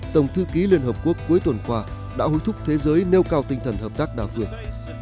tổng thư ký liên hợp quốc cuối tuần qua đã hối thúc thế giới nêu cao tinh thần hợp tác đa phương